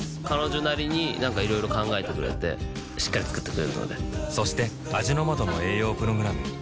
彼女なりになんかいろいろ考えてくれてしっかり作ってくれるのでそして味の素の栄養プログラム